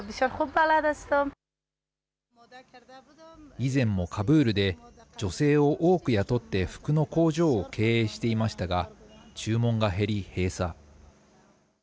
以前もカブールで女性を多く雇って服の工場を経営していましたが、注文が減り閉鎖。